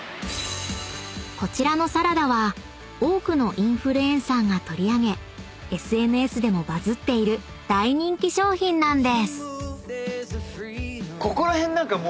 ［こちらのサラダは多くのインフルエンサーが取り上げＳＮＳでもバズっている大人気商品なんです］